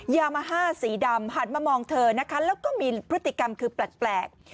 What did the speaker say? ยามาฮ่าสีดำหันมามองเธอนะคะแล้วก็มีพฤติกรรมคือแปลก